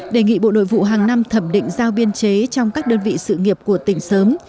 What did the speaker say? đề nghị bộ nội vụ hàng năm thẩm định giao biên chế trong các đơn vị sự nghiệp của tỉnh sớm